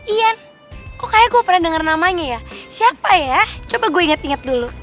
ian kok kayaknya gue pernah denger namanya ya siapa ya coba gue inget inget dulu